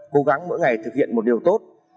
cố gắng mỗi ngày thực hiện một điều tốt